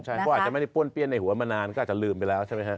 เพราะอาจจะไม่ได้ป้วนเปี้ยนในหัวมานานก็อาจจะลืมไปแล้วใช่ไหมฮะ